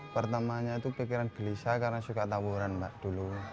pertamanya itu pikiran gelisah karena suka taburan mbak dulu